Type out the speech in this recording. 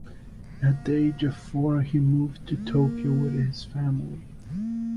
At the age of four, he moved to Tokyo with his family.